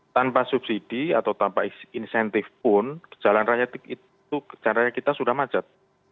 tanpa subsidi atau tanpa insentif pun jalan raya itu jalan raya kita sudah macet